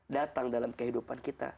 datang dalam kehidupan kita